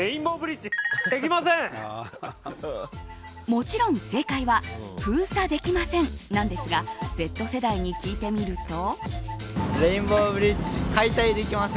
もちろん正解は封鎖できません、なんですがＺ世代に聞いてみると。